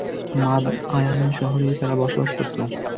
মাদয়ান শহরে তারা বসবাস করত।